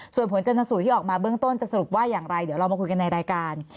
ส่วนผลชนสูตรที่ออกมาเบื้องต้นจะสรุปว่าอย่างไรเดี๋ยวเรามาคุยกันในรายการ